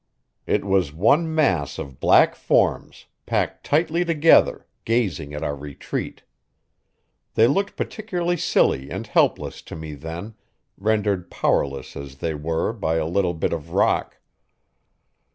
It was one mass of black forms, packed tightly together, gazing at our retreat. They looked particularly silly and helpless to me then, rendered powerless as they were by a little bit of rock.